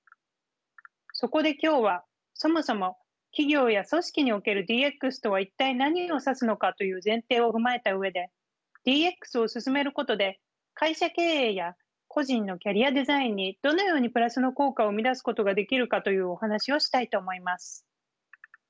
そこで今日はそもそも企業や組織におけるＤＸとは一体何を指すのかという前提を踏まえた上でＤＸを進めることで会社経営や個人のキャリアデザインにどのようにプラスの効果を生み出すことができるかというお話をしたいと思います。